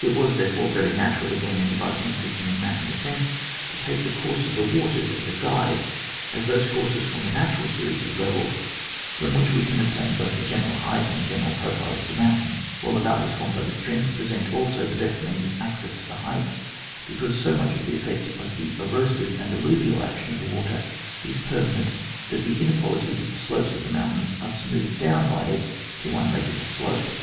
It was, therefore, veiy natural again, in devising a system of mountain defence, to take the course of the waters as a guide, as those courses form a natural series of levels, from which we can obtain both the general height and the general profile of the mountain, while the valleys formed by the streams present also the best means of access to the heights, because so much of the effect of the erosive and alluvial action of the water is permanent, that the inequalities of the slopes of the mountain are smoothed down by it to one regular slope.